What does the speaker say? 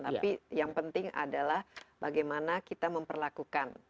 tapi yang penting adalah bagaimana kita memperlakukan